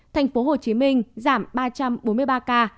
thành phố hồ chí minh giảm ba trăm bốn mươi ba ca